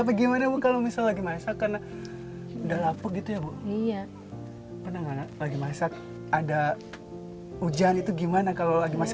pernah tidak sedang masak ada hujan itu bagaimana